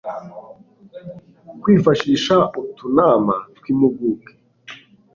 kwifashisha utunama tw impuguke